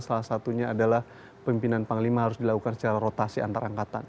salah satunya adalah pemimpinan panglima harus dilakukan secara rotasi antarangkatan